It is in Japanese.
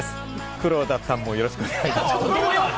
くろだたんもよろしくお願いします。